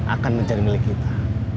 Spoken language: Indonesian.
akan menjadi milik kita